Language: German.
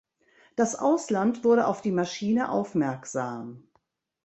Das Ausland wurde auf die Maschine aufmerksam.